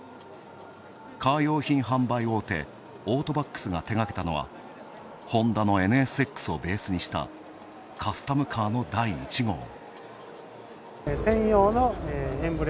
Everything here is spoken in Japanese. カー用品販売大手・オートバックスが手がけたのはホンダのＮＳＸをベースにしたカスタムカーの第１号。